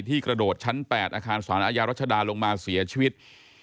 กระโดดชั้น๘อาคารสารอาญารัชดาลงมาเสียชีวิต